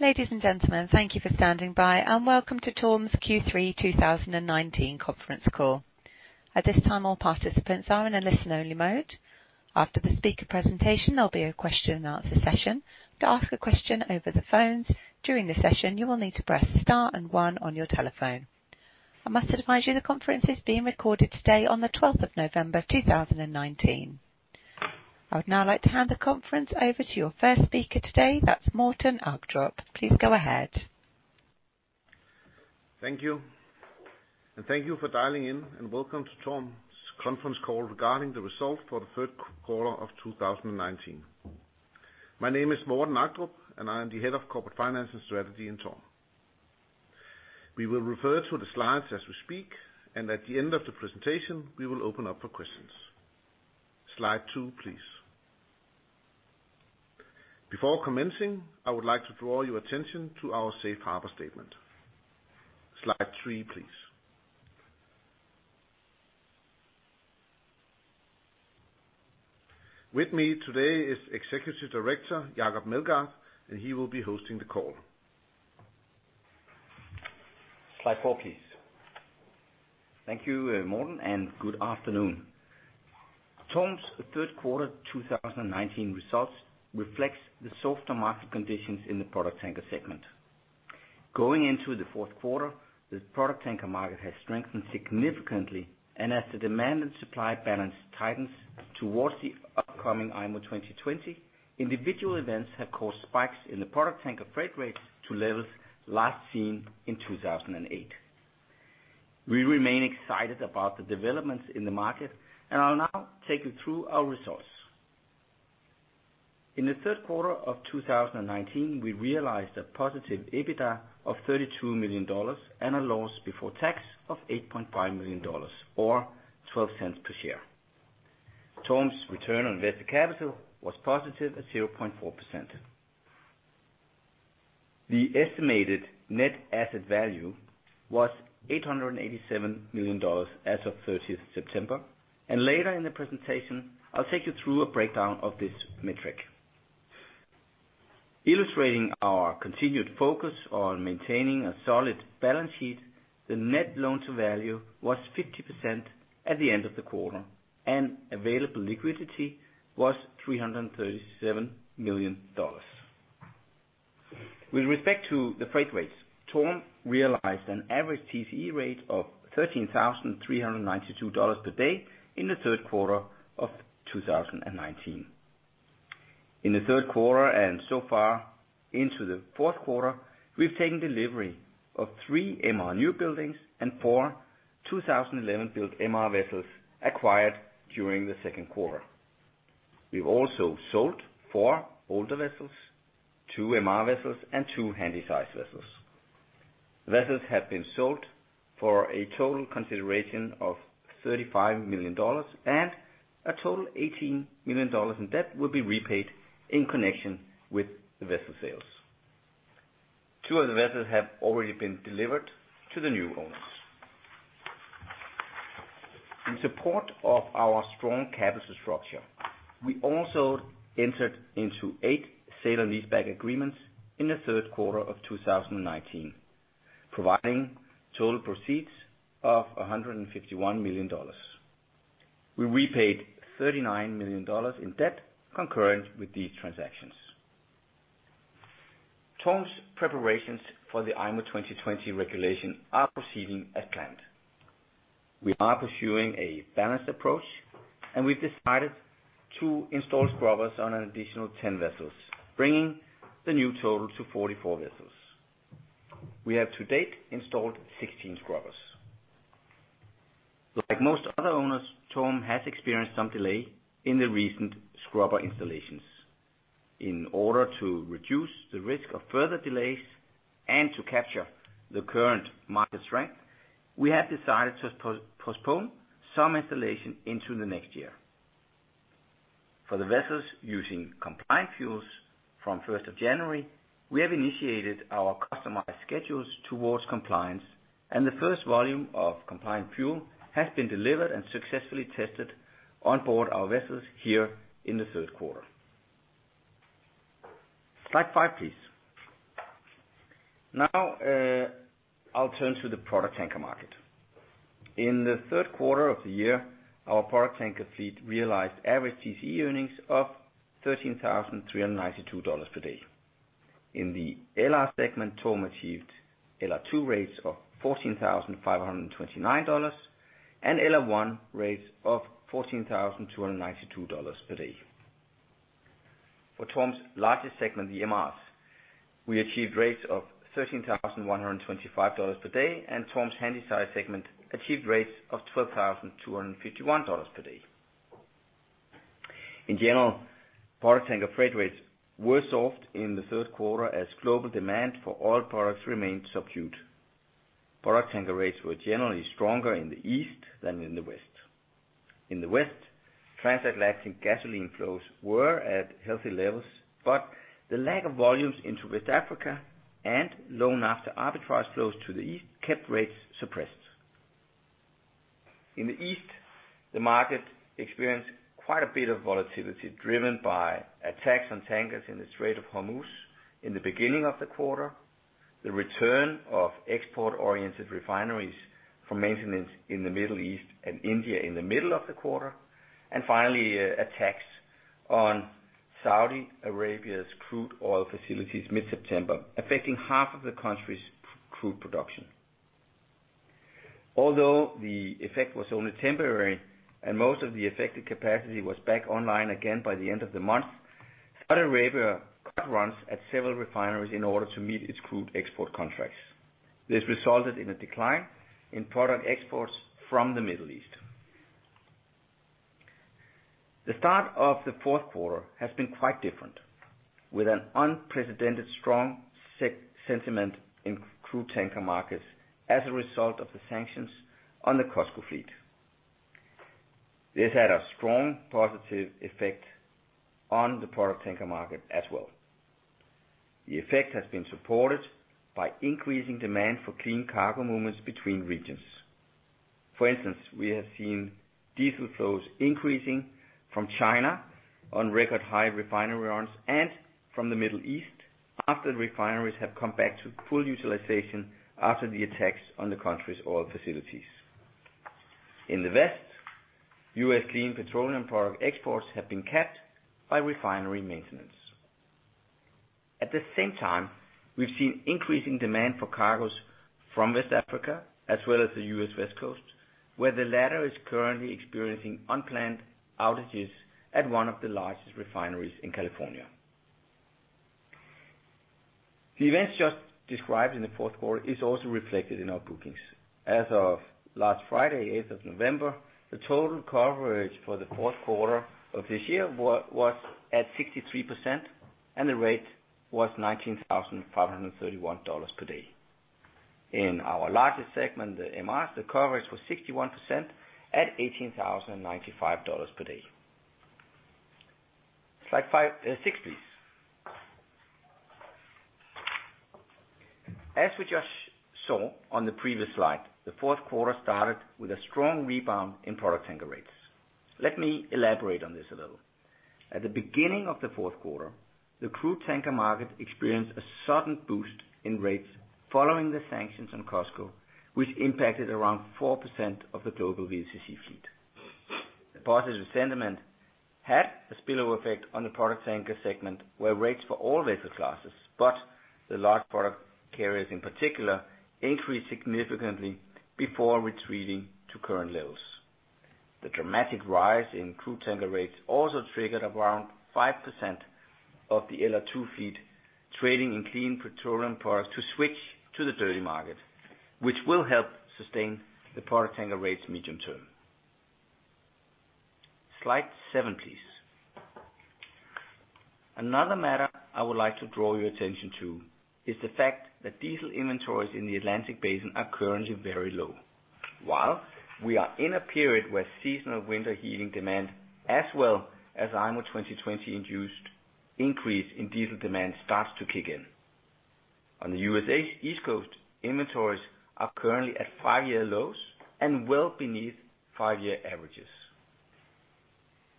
Ladies and gentlemen, thank you for standing by, welcome to TORM's Q3 2019 conference call. At this time, all participants are in a listen-only mode. After the speaker presentation, there'll be a question and answer session. To ask a question over the phones during the session, you will need to press Star and One on your telephone. I must advise you, the conference is being recorded today on the 12th of November 2019. I would now like to hand the conference over to your first speaker today, that's Morten Agdrup. Please go ahead. Thank you, thank you for dialing in, and welcome to TORM's conference call regarding the results for the third quarter of 2019. My name is Morten Agdrup, and I am the head of Corporate Finance and Strategy in TORM. We will refer to the slides as we speak, and at the end of the presentation, we will open up for questions. Slide two, please. Before commencing, I would like to draw your attention to our safe harbor statement. Slide three, please. With me today is Executive Director, Jacob Meldgaard, and he will be hosting the call. Slide four, please. Thank you, Morten. Good afternoon. TORM's third quarter 2019 results reflects the softer market conditions in the product tanker segment. Going into the fourth quarter, the product tanker market has strengthened significantly. As the demand and supply balance tightens towards the upcoming IMO 2020, individual events have caused spikes in the product tanker freight rates to levels last seen in 2008. We remain excited about the developments in the market. I'll now take you through our results. In the third quarter of 2019, we realized a positive EBITDA of $32 million and a loss before tax of $8.5 million or $0.12 per share. TORM's return on invested capital was positive at 0.4%. The estimated net asset value was $887 million as of 30th September, and later in the presentation, I'll take you through a breakdown of this metric. Illustrating our continued focus on maintaining a solid balance sheet, the net loan to value was 50% at the end of the quarter, and available liquidity was $337 million. With respect to the freight rates, TORM realized an average TCE rate of $13,392 per day in the third quarter of 2019. In the third quarter, and so far into the fourth quarter, we've taken delivery of three MR new buildings and four 2011-built MR vessels acquired during the second quarter. We've also sold four older vessels, two MR vessels, and two Handysize vessels. The vessels have been sold for a total consideration of $35 million, and a total $18 million in debt will be repaid in connection with the vessel sales. Two of the vessels have already been delivered to the new owners. In support of our strong capital structure, we also entered into eight sale and leaseback agreements in the third quarter of 2019, providing total proceeds of $151 million. We repaid $39 million in debt concurrent with these transactions. TORM's preparations for the IMO 2020 regulation are proceeding as planned. We are pursuing a balanced approach, and we've decided to install scrubbers on an additional 10 vessels, bringing the new total to 44 vessels. We have, to date, installed 16 scrubbers. Like most other owners, TORM has experienced some delay in the recent scrubber installations. In order to reduce the risk of further delays and to capture the current market strength, we have decided to postpone some installation into the next year. For the vessels using compliant fuels from 1st of January, we have initiated our customized schedules towards compliance, and the first volume of compliant fuel has been delivered and successfully tested on board our vessels here in the third quarter. Slide five, please. I'll turn to the product tanker market. In the third quarter of the year, our product tanker fleet realized average TCE earnings of $13,392 per day. In the LR segment, TORM achieved LR2 rates of $14,529 and LR1 rates of $14,292 per day. For TORM's largest segment, the MRs, we achieved rates of $13,125 per day. TORM's Handysize segment achieved rates of $12,251 per day. In general, product tanker freight rates were soft in the third quarter as global demand for oil products remained subdued. Product tanker rates were generally stronger in the East than in the West. In the West, transatlantic gasoline flows were at healthy levels, but the lack of volumes into West Africa and low naphtha arbitrage flows to the East kept rates suppressed. In the east, the market experienced quite a bit of volatility, driven by attacks on tankers in the Strait of Hormuz in the beginning of the quarter, the return of export-oriented refineries from maintenance in the Middle East and India in the middle of the quarter, and finally, attacks on Saudi Arabia's crude oil facilities mid-September, affecting half of the country's crude production. Although the effect was only temporary, and most of the affected capacity was back online again by the end of the month, Saudi Arabia cut runs at several refineries in order to meet its crude export contracts. This resulted in a decline in product exports from the Middle East. The start of the fourth quarter has been quite different, with an unprecedented strong sentiment in crude tanker markets as a result of the sanctions on the COSCO fleet. This had a strong positive effect on the product tanker market as well. The effect has been supported by increasing demand for clean cargo movements between regions. For instance, we have seen diesel flows increasing from China on record high refinery runs and from the Middle East after refineries have come back to full utilization after the attacks on the country's oil facilities. In the West, U.S. clean petroleum product exports have been capped by refinery maintenance. At the same time, we've seen increasing demand for cargos from West Africa, as well as the U.S. West Coast, where the latter is currently experiencing unplanned outages at one of the largest refineries in California. The events just described in the fourth quarter is also reflected in our bookings. As of last Friday, 8th of November, the total coverage for the fourth quarter of this year was at 63%, and the rate was $19,531 per day. In our largest segment, the MRs, the coverage was 61% at $18,095 per day. Slide five, six, please. As we just saw on the previous slide, the fourth quarter started with a strong rebound in product tanker rates. Let me elaborate on this a little. At the beginning of the fourth quarter, the crude tanker market experienced a sudden boost in rates following the sanctions on COSCO, which impacted around 4% of the global VLCC fleet. The positive sentiment had a spillover effect on the product tanker segment, where rates for all vessel classes, but the large product carriers in particular, increased significantly before retreating to current levels. The dramatic rise in crude tanker rates also triggered around 5% of the LR2 fleet, trading in clean petroleum products to switch to the dirty market, which will help sustain the product tanker rates medium term. Slide seven, please. Another matter I would like to draw your attention to is the fact that diesel inventories in the Atlantic Basin are currently very low. While we are in a period where seasonal winter heating demand, as well as IMO 2020 induced increase in diesel demand, starts to kick in. On the USA's East Coast, inventories are currently at five-year lows and well beneath five-year averages.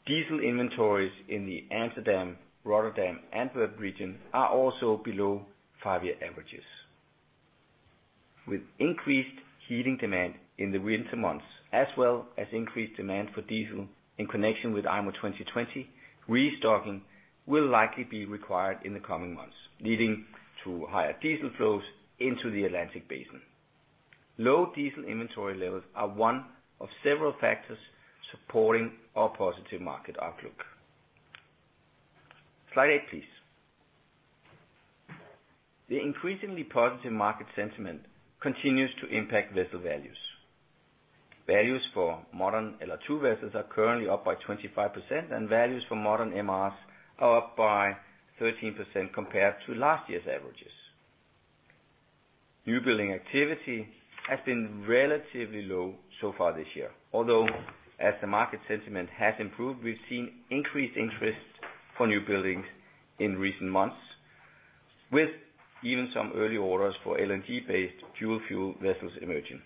Diesel inventories in the Amsterdam, Rotterdam, Antwerp region are also below five-year averages. With increased heating demand in the winter months, as well as increased demand for diesel in connection with IMO 2020, restocking will likely be required in the coming months, leading to higher diesel flows into the Atlantic Basin. Low diesel inventory levels are one of several factors supporting our positive market outlook. Slide eight, please. The increasingly positive market sentiment continues to impact vessel values. Values for modern LR2 vessels are currently up by 25%, and values for modern MRs are up by 13% compared to last year's averages. New building activity has been relatively low so far this year, although as the market sentiment has improved, we've seen increased interest for new buildings in recent months, with even some early orders for LNG-based dual fuel vessels emerging.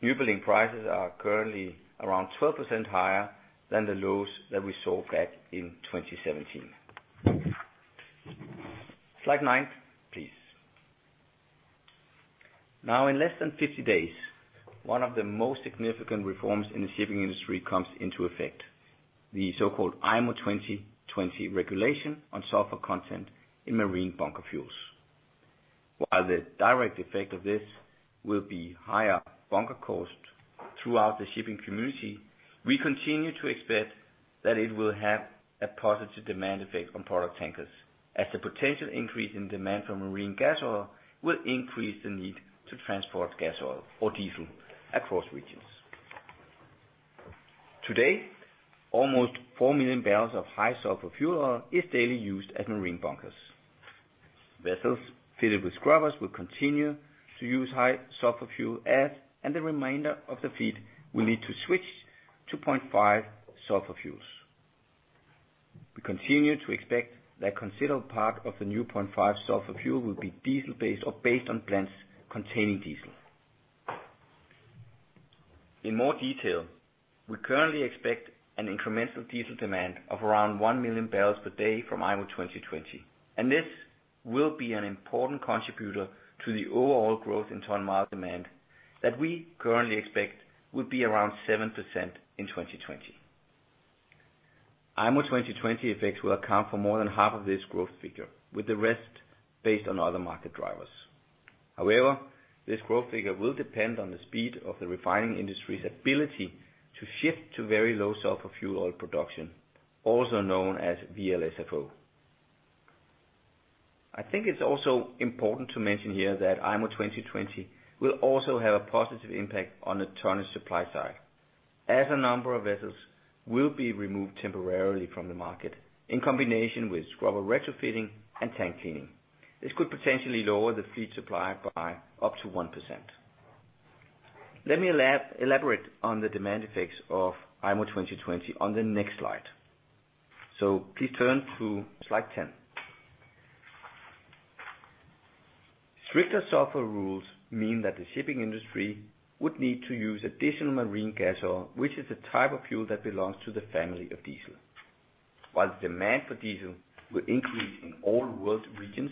New building prices are currently around 12% higher than the lows that we saw back in 2017. Slide nine, please. In less than 50 days, one of the most significant reforms in the shipping industry comes into effect, the so-called IMO 2020 Regulation on sulfur content in marine bunker fuels. While the direct effect of this will be higher bunker cost throughout the shipping community, we continue to expect that it will have a positive demand effect on product tankers, as the potential increase in demand for marine gas oil will increase the need to transport gas oil or diesel across regions. Today, almost 4 MMbbl of high-sulfur fuel oil is daily used as marine bunkers. Vessels fitted with scrubbers will continue to use high-sulfur fuel oil, and the remainder of the fleet will need to switch to 0.5% sulfur fuels. We continue to expect that a considerable part of the new 0.5 sulfur fuel will be diesel-based or based on blends containing diesel. In more detail, we currently expect an incremental diesel demand of around 1 MMbpd from IMO 2020. This will be an important contributor to the overall growth in ton-mile demand that we currently expect will be around 7% in 2020. IMO 2020 effects will account for more than half of this growth figure, with the rest based on other market drivers. However, this growth figure will depend on the speed of the refining industry's ability to shift to Very Low Sulphur Fuel Oil production, also known as VLSFO. I think it's also important to mention here that IMO 2020 will also have a positive impact on the tonnages supply side, as a number of vessels will be removed temporarily from the market in combination with scrubber retrofitting and tank cleaning. This could potentially lower the fleet supply by up to 1%. Let me elaborate on the demand effects of IMO 2020 on the next slide. Please turn to slide 10. Stricter sulfur rules mean that the shipping industry would need to use additional marine gas oil, which is a type of fuel that belongs to the family of diesel. While the demand for diesel will increase in all world regions,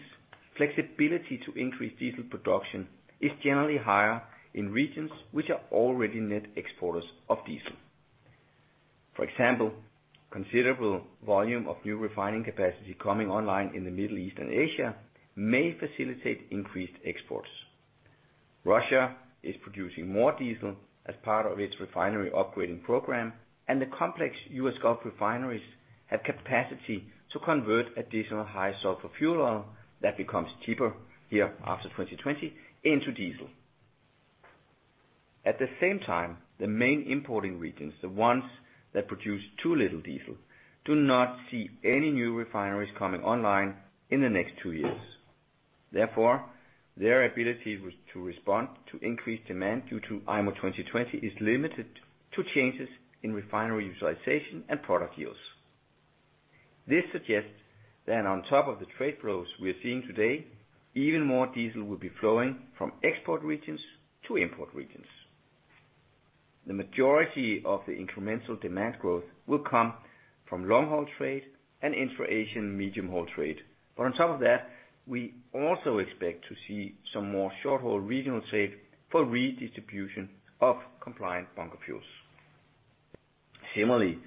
flexibility to increase diesel production is generally higher in regions which are already net exporters of diesel. For example, considerable volume of new refining capacity coming online in the Middle East and Asia may facilitate increased exports. Russia is producing more diesel as part of its refinery upgrading program, and the complex U.S. Gulf refineries have capacity to convert additional high-sulfur fuel oil that becomes cheaper here after 2020 into diesel. At the same time, the main importing regions, the ones that produce too little diesel, do not see any new refineries coming online in the next two years. Therefore, their ability to respond to increased demand due to IMO 2020 is limited to changes in refinery utilization and product yields. This suggests that on top of the trade flows we are seeing today, even more diesel will be flowing from export regions to import regions. The majority of the incremental demand growth will come from long-haul trade and intra-Asian medium-haul trade. On top of that, we also expect to see some more short-haul regional trade for redistribution of compliant bunker fuels. Similarly,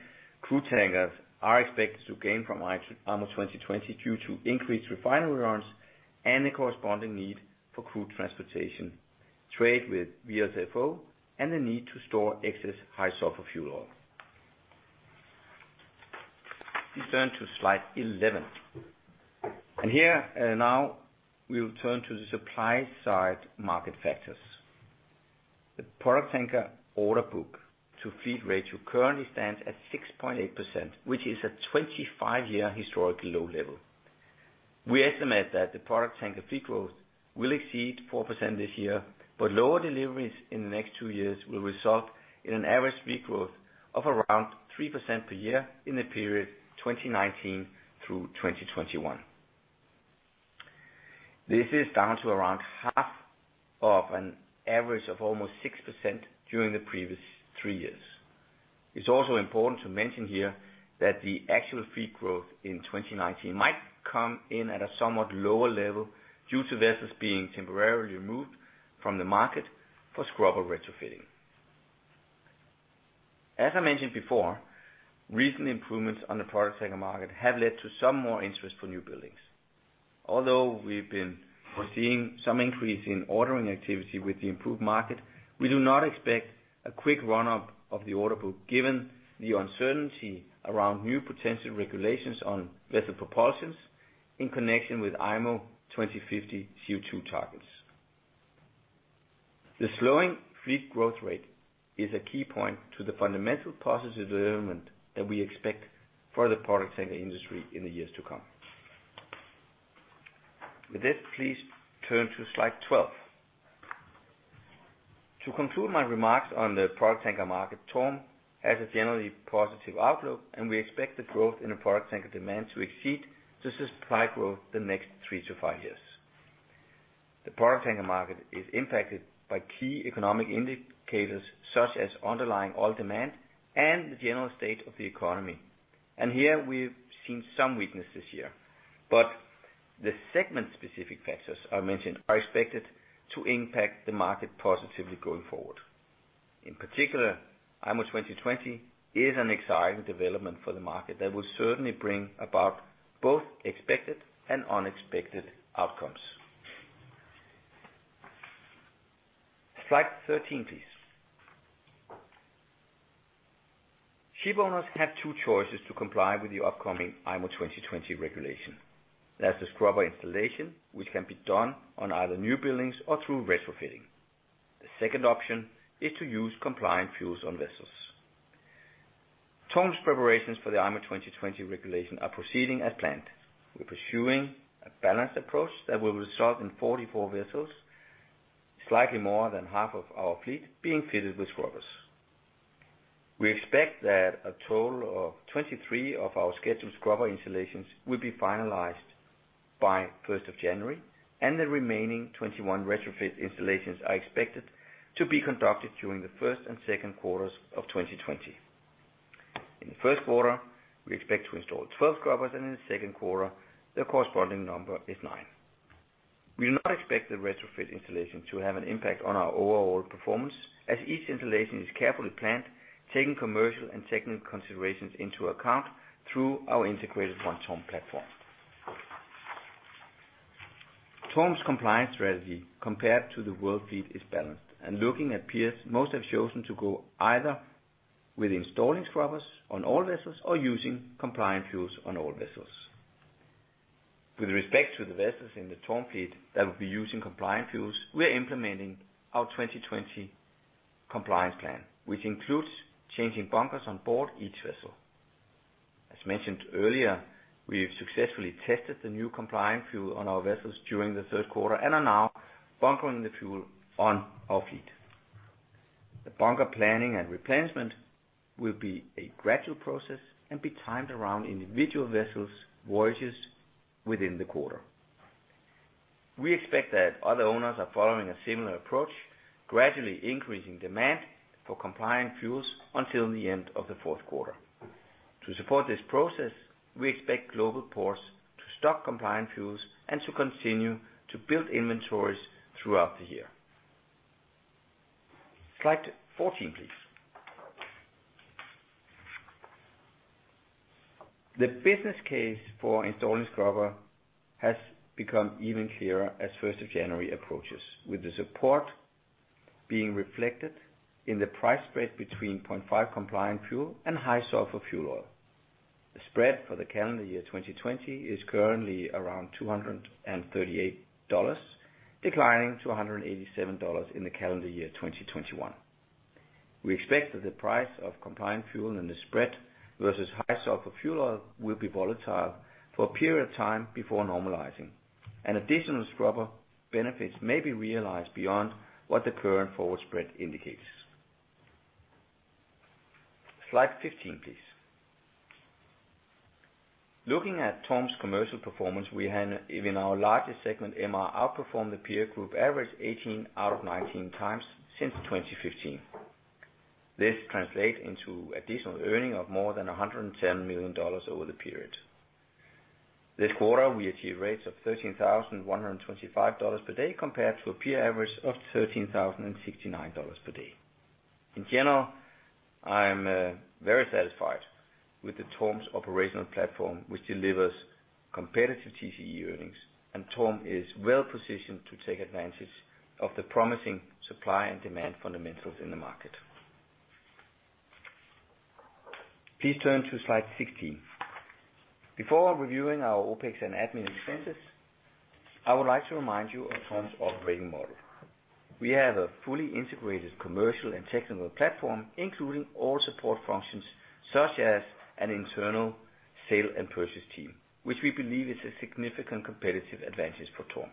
crude tankers are expected to gain from IMO 2020 due to increased refinery runs and the corresponding need for crude transportation, trade with VLSFO, and the need to store excess high-sulfur fuel oil. Please turn to slide 11. Here, now we will turn to the supply side market factors. The product tanker orderbook-to-fleet ratio currently stands at 6.8%, which is a 25-year historical low level. We estimate that the product tanker fleet growth will exceed 4% this year, but lower deliveries in the next two years will result in an average fleet growth of around 3% per year in the period 2019 through 2021. This is down to around half of an average of almost 6% during the previous three years. It's also important to mention here that the actual fleet growth in 2019 might come in at a somewhat lower level due to vessels being temporarily removed from the market for scrubber retrofitting. As I mentioned before, recent improvements on the product tanker market have led to some more interest for new buildings. We've been foreseeing some increase in ordering activity with the improved market, we do not expect a quick run-up of the orderbook, given the uncertainty around new potential regulations on vessel propulsions in connection with IMO 2050 CO2 targets. The slowing fleet growth rate is a key point to the fundamental positive development that we expect for the product tanker industry in the years to come. With this, please turn to slide 12. To conclude my remarks on the product tanker market, TORM has a generally positive outlook, and we expect the growth in the product tanker demand to exceed the supply growth the next 3 to 5 years. The product tanker market is impacted by key economic indicators, such as underlying oil demand and the general state of the economy. Here we've seen some weakness this year, but the segment-specific factors I mentioned are expected to impact the market positively going forward. In particular, IMO 2020 is an exciting development for the market that will certainly bring about both expected and unexpected outcomes. Slide 13, please. Shipowners have two choices to comply with the upcoming IMO 2020 regulation. There's the scrubber installation, which can be done on either new buildings or through retrofitting. The second option is to use compliant fuels on vessels. TORM's preparations for the IMO 2020 regulation are proceeding as planned. We're pursuing a balanced approach that will result in 44 vessels, slightly more than half of our fleet being fitted with scrubbers. We expect that a total of 23 of our scheduled scrubber installations will be finalized by 1st of January, and the remaining 21 retrofit installations are expected to be conducted during the first and second quarters of 2020. In the first quarter, we expect to install 12 scrubbers, and in the second quarter, the corresponding number is nine. We do not expect the retrofit installation to have an impact on our overall performance, as each installation is carefully planned, taking commercial and technical considerations into account through our integrated One TORM platform. TORM's compliance strategy, compared to the world fleet, is balanced, and looking at peers, most have chosen to go either with installing scrubbers on all vessels or using compliant fuels on all vessels. With respect to the vessels in the TORM fleet that will be using compliant fuels, we are implementing our 2020 compliance plan, which includes changing bunkers on board each vessel. As mentioned earlier, we've successfully tested the new compliant fuel on our vessels during the third quarter and are now bunkering the fuel on our fleet. The bunker planning and replenishment will be a gradual process and be timed around individual vessels' voyages within the quarter. We expect that other owners are following a similar approach, gradually increasing demand for compliant fuels until the end of the fourth quarter. To support this process, we expect global ports to stock compliant fuels and to continue to build inventories throughout the year. Slide 14, please. The business case for installing scrubber has become even clearer as 1st of January approaches, with the support being reflected in the price spread between 0.5 compliant fuel and high-sulfur fuel oil. The spread for the calendar year 2020 is currently around $238, declining to $187 in the calendar year 2021. We expect that the price of compliant fuel and the spread versus high-sulfur fuel oil will be volatile for a period of time before normalizing, and additional scrubber benefits may be realized beyond what the current forward spread indicates. Slide 15, please. Looking at TORM's commercial performance, we had, in our largest segment, MR, outperformed the peer group average 18 out of 19 times since 2015. This translate into additional earning of more than $110 million over the period. This quarter, we achieved rates of $13,125 per day, compared to a peer average of $13,069 per day. In general, I'm very satisfied with TORM's operational platform, which delivers competitive TCE earnings. TORM is well positioned to take advantage of the promising supply and demand fundamentals in the market. Please turn to slide 16. Before reviewing our OpEx and admin expenses, I would like to remind you of TORM's operating model. We have a fully integrated commercial and technical platform, including all support functions, such as an internal sale and purchase team, which we believe is a significant competitive advantage for TORM.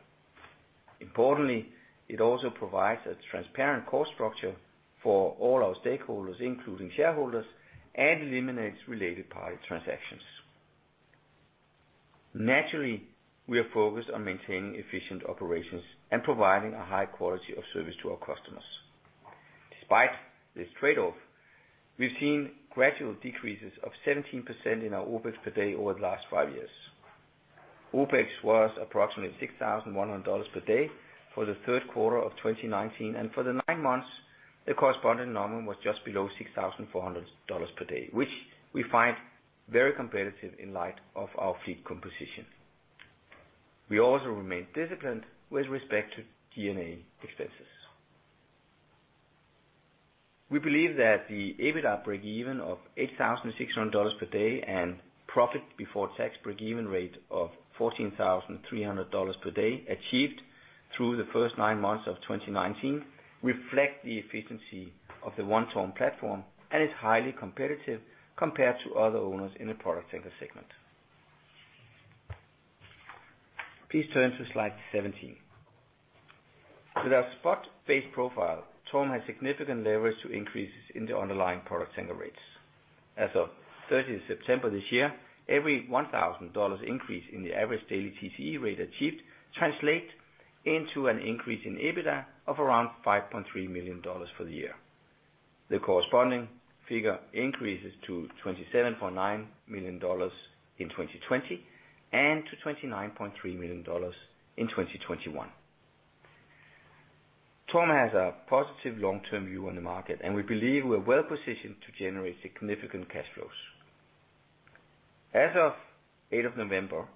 Importantly, it also provides a transparent cost structure for all our stakeholders, including shareholders, and eliminates related party transactions. Naturally, we are focused on maintaining efficient operations and providing a high quality of service to our customers. Despite this trade-off, we've seen gradual decreases of 17% in our OpEx per day over the last five years. OpEx was approximately $6,100 per day for the third quarter of 2019, and for the nine months, the corresponding number was just below $6,400 per day, which we find very competitive in light of our fleet composition. We also remain disciplined with respect to G&A expenses. We believe that the EBITDA break-even of $8,600 per day and profit before tax break-even rate of $14,300 per day, achieved through the first nine months of 2019, reflect the efficiency of the One TORM platform and is highly competitive compared to other owners in the product tanker segment. Please turn to slide 17. With our spot-based profile, TORM has significant leverage to increases in the underlying product tanker rates. As of 30th September this year, every $1,000 increase in the average daily TCE rate achieved translate into an increase in EBITDA of around $5.3 million for the year. The corresponding figure increases to $27.9 million in 2020, and to $29.3 million in 2021. TORM has a positive long-term view on the market, and we believe we are well positioned to generate significant cash flows. As of 8th of November,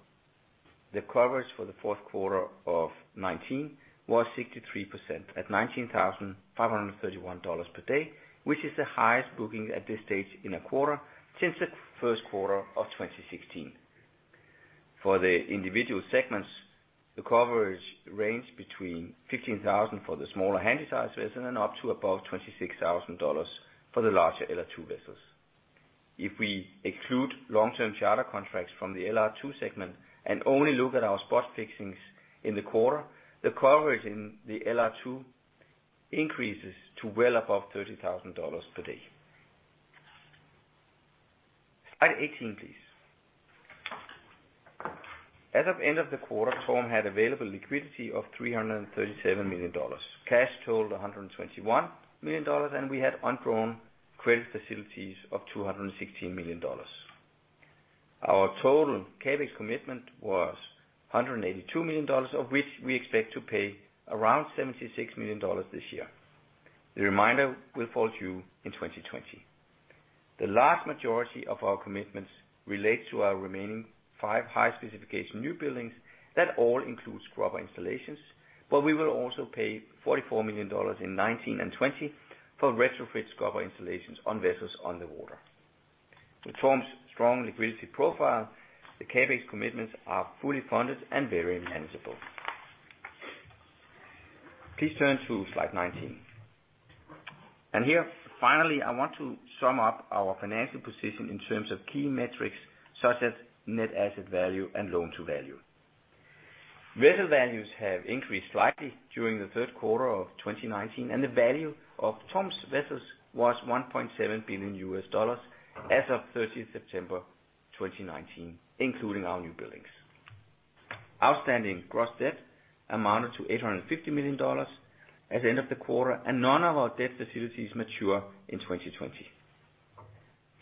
the coverage for the fourth quarter of 2019 was 63%, at $19,531 per day, which is the highest booking at this stage in a quarter since the first quarter of 2016. For the individual segments, the coverage ranged between $15,000 for the smaller Handysize vessels and up to about $26,000 for the larger LR2 vessels. If we exclude long-term charter contracts from the LR2 segment and only look at our spot fixings in the quarter, the coverage in the LR2 increases to well above $30,000 per day. Slide 18, please. As of end of the quarter, TORM had available liquidity of $337 million. Cash totaled $121 million, and we had undrawn credit facilities of $216 million. Our total CapEx commitment was $182 million, of which we expect to pay around $76 million this year. The remainder will fall due in 2020. The large majority of our commitments relate to our remaining five high-specification new buildings that all include scrubber installations, but we will also pay $44 million in 2019 and 2020 for retrofit scrubber installations on vessels on the water. With TORM's strong liquidity profile, the CapEx commitments are fully funded and very manageable. Please turn to slide 19. Here, finally, I want to sum up our financial position in terms of key metrics, such as net asset value and loan to value. Vessel values have increased slightly during the third quarter of 2019, and the value of TORM's vessels was $1.7 billion as of 30th September 2019, including our new buildings. Outstanding gross debt amounted to $850 million at the end of the quarter, and none of our debt facilities mature in 2020.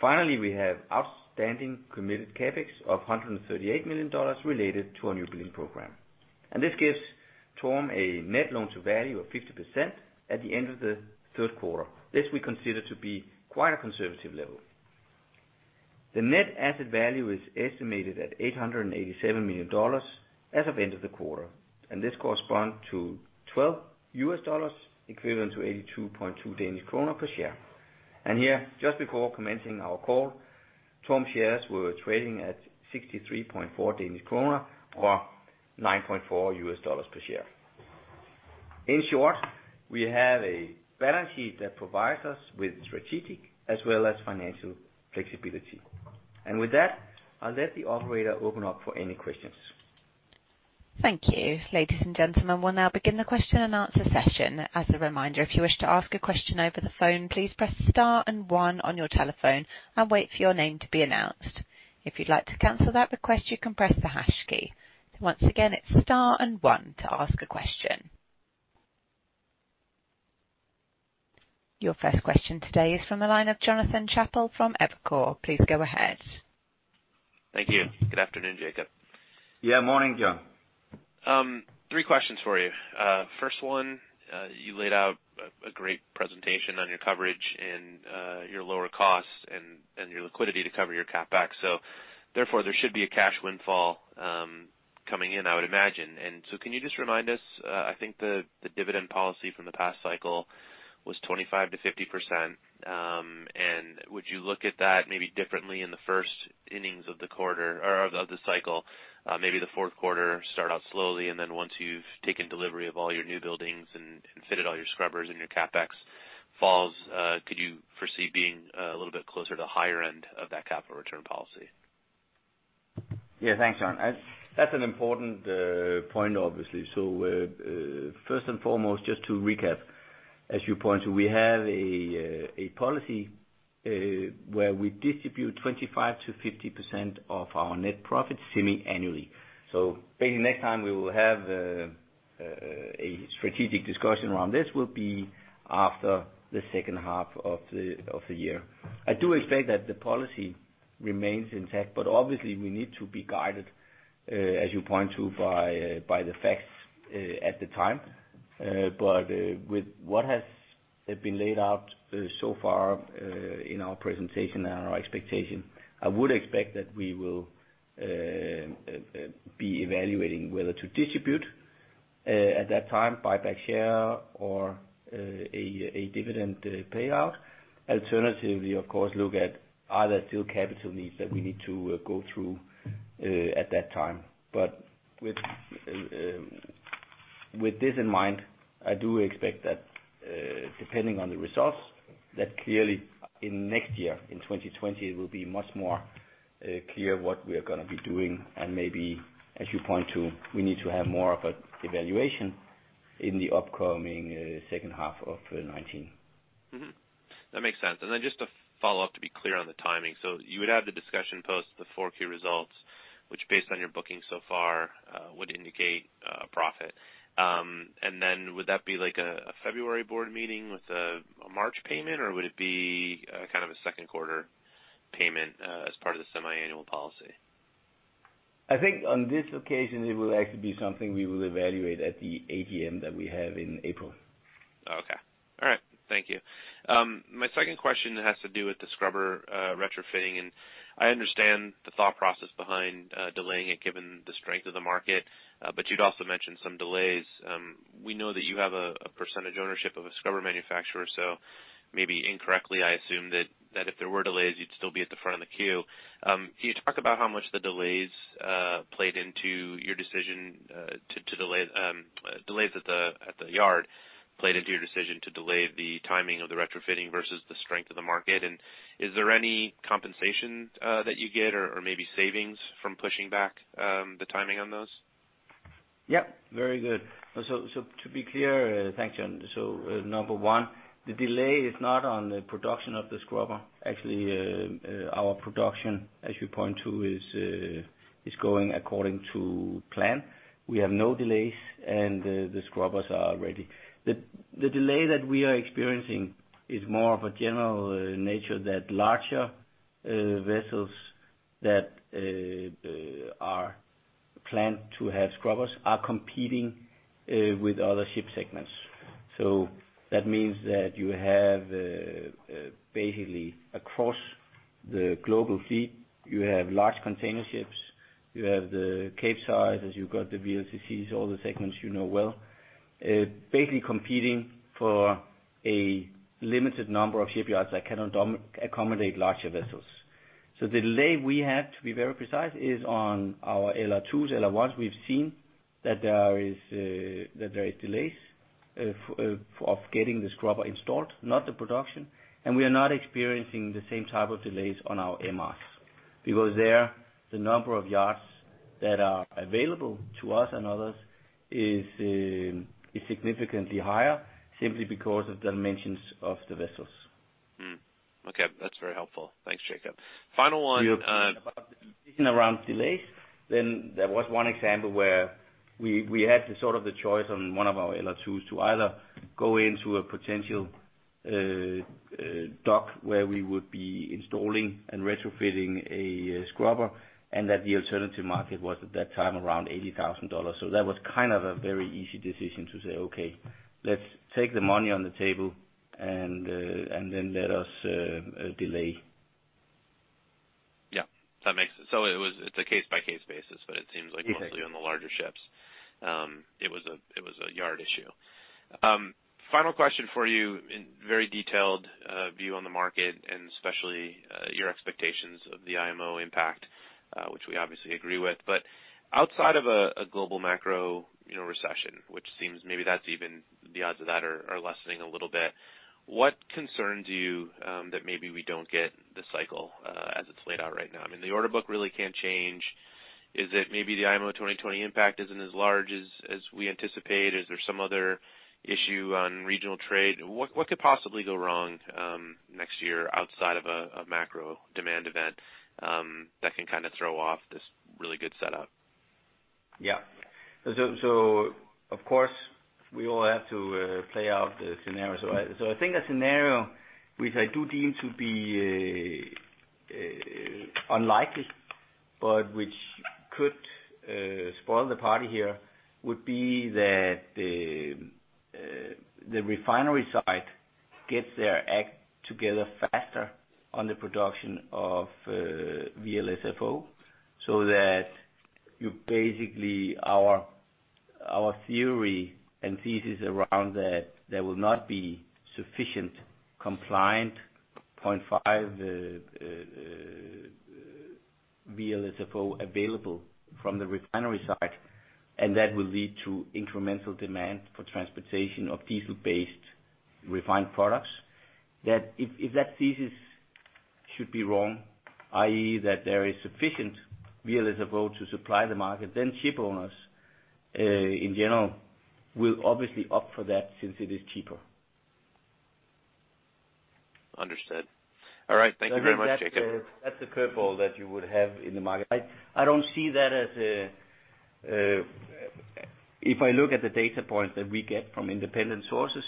Finally, we have outstanding committed CapEx of $138 million related to our new building program. This gives TORM a net loan to value of 50% at the end of the third quarter. This we consider to be quite a conservative level. The net asset value is estimated at $887 million as of end of the quarter, and this correspond to $12, equivalent to 82.2 Danish kroner per share. Here, just before commencing our call, TORM shares were trading at 63.4 Danish krone, or $9.4 per share. In short, we have a balance sheet that provides us with strategic as well as financial flexibility. With that, I'll let the operator open up for any questions. Thank you. Ladies and gentlemen, we'll now begin the question-and-answer session. As a reminder, if you wish to ask a question over the phone, please press star and one on your telephone and wait for your name to be announced. If you'd like to cancel that request, you can press the hash key. Once again, it's star and one to ask a question. Your first question today is from the line of Jonathan Chappell from Evercore. Please go ahead. Thank you. Good afternoon, Jacob. Yeah, morning, Jonathan. 3 questions for you. First one, you laid out a great presentation on your coverage and your lower costs and your liquidity to cover your CapEx. There should be a cash windfall coming in, I would imagine. Can you just remind us, I think the dividend policy from the past cycle was 25% to 50%, and would you look at that maybe differently in the first innings of the quarter or of the cycle, maybe the fourth quarter, start out slowly, and then once you've taken delivery of all your new buildings and fitted all your scrubbers and your CapEx falls, could you foresee being a little bit closer to the higher end of that capital return policy? Yeah, thanks, John. That's an important point, obviously. First and foremost, just to recap, as you point to, we have a policy where we distribute 25% to 50% of our net profit semi-annually. Maybe next time we will have a strategic discussion around this will be after the second half of the year. I do expect that the policy remains intact, but obviously we need to be guided, as you point to, by the facts at the time. With what has been laid out so far in our presentation and our expectation, I would expect that we will be evaluating whether to distribute at that time, buy back share or a dividend payout. Alternatively, of course, look at are there still capital needs that we need to go through at that time. With, with this in mind, I do expect that, depending on the results, that clearly in next year, in 2020, it will be much more clear what we are gonna be doing, and maybe, as you point to, we need to have more of an evaluation in the upcoming, second half of 2019. Mm-hmm. That makes sense. Just to follow up, to be clear on the timing: you would have the discussion post, the 4Q results, which based on your bookings so far, would indicate profit. Would that be like a February board meeting with a March payment, or would it be kind of a second quarter payment as part of the semiannual policy? I think on this occasion, it will actually be something we will evaluate at the AGM that we have in April. Okay. All right. Thank you. My second question has to do with the scrubber retrofitting. I understand the thought process behind delaying it, given the strength of the market, but you'd also mentioned some delays. We know that you have a percentage ownership of a scrubber manufacturer, so maybe incorrectly, I assume that if there were delays, you'd still be at the front of the queue. Can you talk about how much the delays played into your decision to delay delays at the yard, played into your decision to delay the timing of the retrofitting versus the strength of the market? Is there any compensation that you get or maybe savings from pushing back the timing on those? Yep, very good. to be clear, thanks, John. Number one, the delay is not on the production of the scrubber. Actually, our production, as you point to, is going according to plan. We have no delays, and the scrubbers are ready. The delay that we are experiencing is more of a general nature, that larger vessels that are planned to have scrubbers are competing with other ship segments. That means that you have, basically, across the global fleet, you have large container ships, you have the Capesize, as you've got the VLCCs, all the segments you know well, basically competing for a limited number of shipyards that cannot accommodate larger vessels. The delay we have, to be very precise, is on our LR2s, LR1s. We've seen that there is delays, of getting the scrubber installed, not the production. We are not experiencing the same type of delays on our MRs. There, the number of yards that are available to us and others is significantly higher, simply because of the dimensions of the vessels. Okay, that's very helpful. Thanks, Jacob. Final one. Around delays, there was one example where we had to sort of the choice on one of our LR2s to either go into a potential dock, where we would be installing and retrofitting a scrubber, and that the alternative market was, at that time, around $80,000. That was kind of a very easy decision to say, "Okay, let's take the money on the table and then let us delay. Yeah, it's a case-by-case basis. Exactly... mostly on the larger ships. It was a yard issue. Final question for you, in very detailed view on the market and especially your expectations of the IMO impact, which we obviously agree with. Outside of a global macro, you know, recession, which seems maybe that's even the odds of that are lessening a little bit, what concerns you that maybe we don't get the cycle as it's laid out right now? I mean, the order book really can't change. Is it maybe the IMO 2020 impact isn't as large as we anticipate? Is there some other issue on regional trade? What could possibly go wrong next year outside of a macro demand event that can kind of throw off this really good setup? Yeah. Of course, we all have to play out the scenario. I think a scenario which I do deem to be unlikely, but which could spoil the party here, would be that the refinery side gets their act together faster on the production of VLSFO, so that you basically, our theory and thesis around that, there will not be sufficient compliant 0.5 VLSFO available from the refinery side, and that will lead to incremental demand for transportation of diesel-based refined products. If that thesis should be wrong, i.e., that there is sufficient VLSFO to supply the market, then shipowners in general will obviously opt for that since it is cheaper. Understood. All right. Thank you very much, Jacob. That's a curveball that you would have in the market. I don't see that as a. If I look at the data points that we get from independent sources,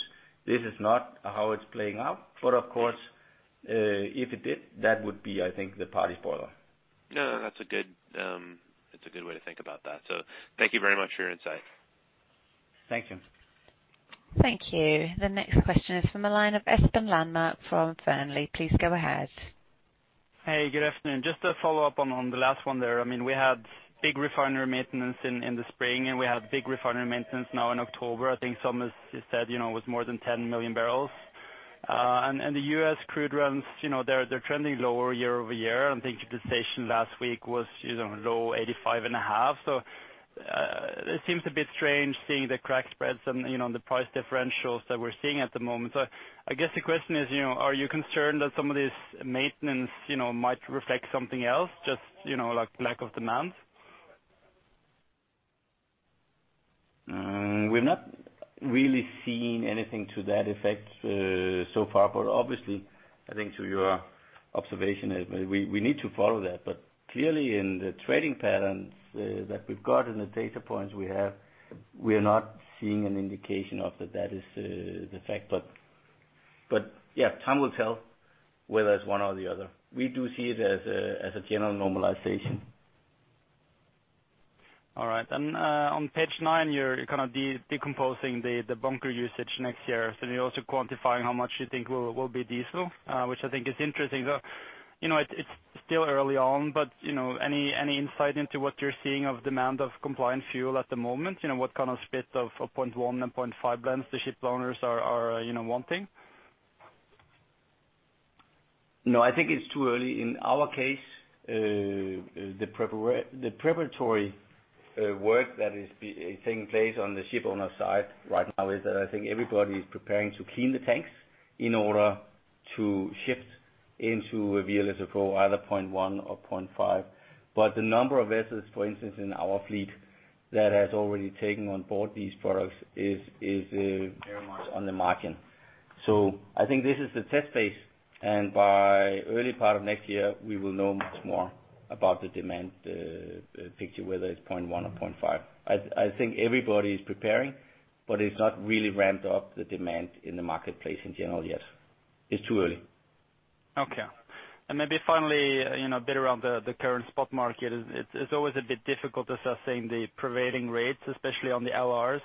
this is not how it's playing out. Of course, if it did, that would be, I think, the party spoiler. That's a good, it's a good way to think about that. Thank you very much for your insight. Thank you. Thank you. The next question is from the line of Espen Landmark from Fearnley. Please go ahead. Hey, good afternoon. Just to follow up on the last one there. I mean, we had big refinery maintenance in the spring, and we have big refinery maintenance now in October. I think Thomas just said, you know, with more than 10 MMbbl. And the U.S. crude runs, you know, they're trending lower year-over-year. I think the station last week was, you know, low 85.5. It seems a bit strange seeing the crack spreads and, you know, the price differentials that we're seeing at the moment. I guess the question is, you know, are you concerned that some of this maintenance, you know, might reflect something else, just, you know, like lack of demand? We've not really seen anything to that effect so far. Obviously, I think to your observation, we need to follow that. Clearly, in the trading patterns that we've got and the data points we have, we are not seeing an indication of that is the fact. Yeah, time will tell whether it's one or the other. We do see it as a general normalization. All right. On page nine, you're kind of decomposing the bunker usage next year, you're also quantifying how much you think will be diesel, which I think is interesting. You know, it's still early on, but, you know, any insight into what you're seeing of demand of compliant fuel at the moment? You know, what kind of split of a 0.1% and 0.5% blends the shipowners are, you know, wanting? I think it's too early. In our case, the preparatory work that is taking place on the shipowner side right now is that I think everybody is preparing to clean the tanks to shift into a VLSFO, either 0.1 or 0.5. The number of vessels, for instance, in our fleet, that has already taken on board these products, is very much on the margin. I think this is the test phase, and by early part of next year, we will know much more about the demand picture, whether it's 0.1 or 0.5. I think everybody is preparing, but it's not really ramped up the demand in the marketplace in general yet. It's too early. Okay. Maybe finally, you know, a bit around the current spot market. It's always a bit difficult assessing the prevailing rates, especially on the LRs.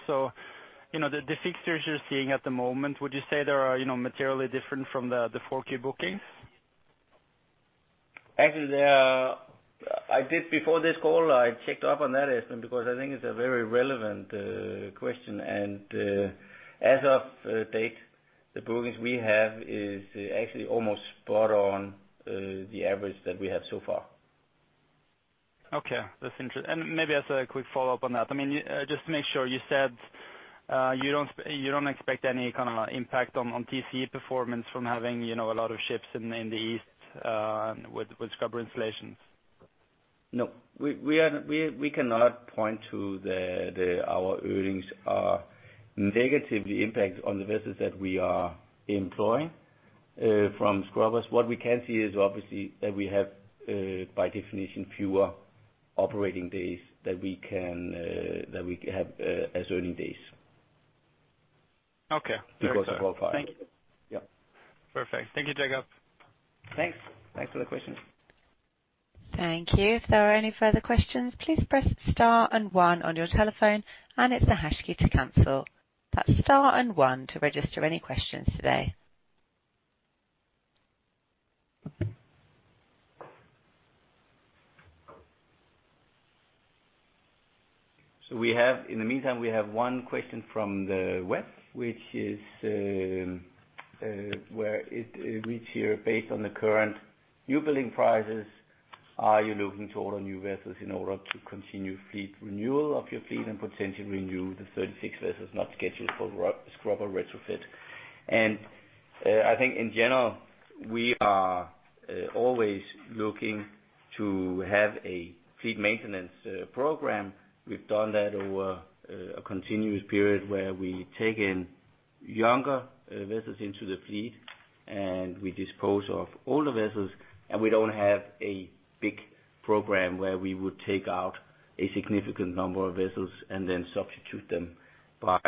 You know, the fixtures you're seeing at the moment, would you say they are, you know, materially different from the four key bookings? Actually, I did, before this call, I checked up on that, Espen, because I think it's a very relevant question. As of date, the bookings we have is actually almost spot on, the average that we have so far. Okay. That's maybe as a quick follow-up on that, I mean, just to make sure, you said, you don't expect any kind of impact on TCE performance from having, you know, a lot of ships in the east, with scrubber installations? No. We cannot point to the our earnings are negatively impacted on the vessels that we are employing, from scrubbers. What we can see is, obviously, that we have by definition, fewer operating days that we can that we have as earning days. Okay. Because of our product. Thank you. Yeah. Perfect. Thank you, Jacob. Thanks. Thanks for the question. Thank you. If there are any further questions, please press star and one on your telephone, and it's the hash key to cancel. That's star and one to register any questions today. We have, in the meantime, we have one question from the web, which is, where it reads here: Based on the current new building prices, are you looking to order new vessels in order to continue fleet renewal of your fleet and potentially renew the 36 vessels not scheduled for scrubber retrofit? I think in general, we are always looking to have a fleet maintenance program. We've done that over a continuous period, where we take in younger vessels into the fleet, and we dispose off older vessels. We don't have a big program where we would take out a significant number of vessels and then substitute them by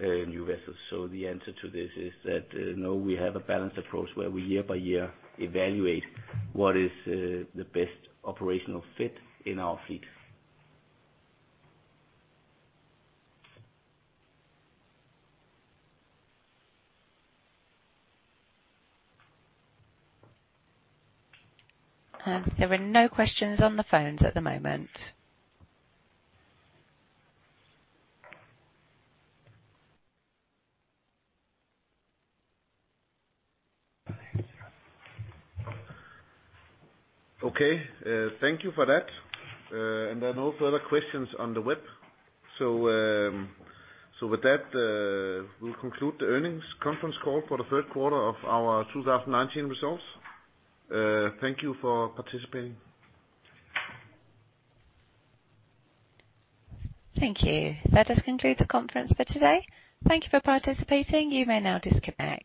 new vessels. The answer to this is that, no, we have a balanced approach, where we year by year evaluate what is, the best operational fit in our fleet. There are no questions on the phones at the moment. Okay, thank you for that. There are no further questions on the web. With that, we'll conclude the earnings conference call for the third quarter of our 2019 results. Thank you for participating. Thank you. That does conclude the conference for today. Thank you for participating. You may now disconnect.